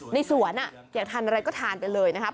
ในสวนอยากทานอะไรก็ทานไปเลยนะครับ